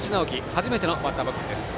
初めてのバッターボックスです。